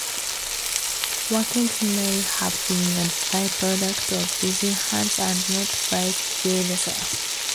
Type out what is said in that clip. Walking may have been a by-product of busy hands and not vice versa.